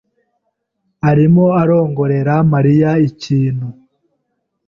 arimo arongorera Mariya ikintu.